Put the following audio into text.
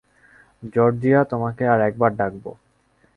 Georgia, তোমাকে আর একবার ডাকবো।